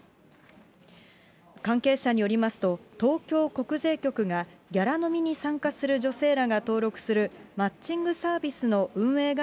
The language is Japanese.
関係者によりますと、東京国税局が、ギャラ飲みに参加する女性らが登録する、マッチングサービスの運営